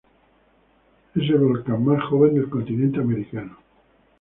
Es el volcán más joven del continente americano.